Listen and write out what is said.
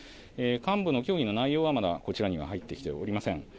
幹部の協議の内容はまだこちらには入ってきておりません。